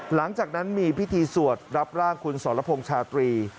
หลังจากนั้นมีพิธีสวดรับร่างคุณสรพงษ์ชาตรี